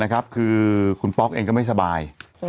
คือคุณป๊อกเองก็ไม่สบาย